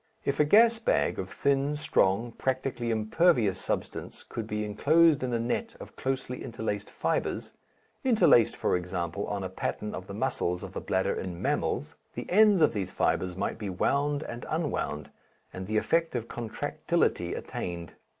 If a gas bag of thin, strong, practically impervious substance could be enclosed in a net of closely interlaced fibres (interlaced, for example, on the pattern of the muscles of the bladder in mammals), the ends of these fibres might be wound and unwound, and the effect of contractility attained.